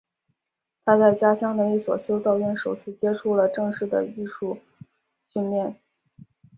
他在家乡的一所修道院首次接触了正式的艺术训练。